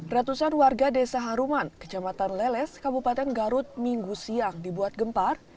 ratusan warga desa haruman kecamatan leles kabupaten garut minggu siang dibuat gempar